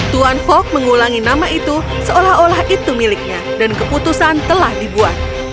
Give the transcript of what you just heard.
tuan fok mengulangi nama itu seolah olah itu miliknya dan keputusan telah dibuat